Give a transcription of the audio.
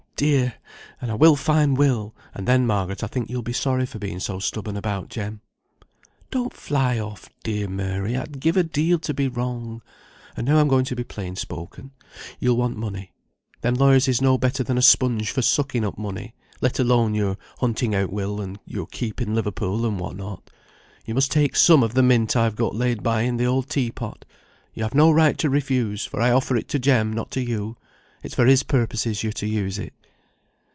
dear! And I will find Will; and then, Margaret, I think you'll be sorry for being so stubborn about Jem." "Don't fly off, dear Mary; I'd give a deal to be wrong. And now I'm going to be plain spoken. You'll want money. Them lawyers is no better than a spunge for sucking up money; let alone your hunting out Will, and your keep in Liverpool, and what not. You must take some of the mint I've got laid by in the old tea pot. You have no right to refuse, for I offer it to Jem, not to you; it's for his purposes you're to use it."